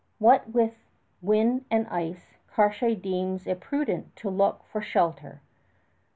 What with wind and ice, Cartier deems it prudent to look for shelter.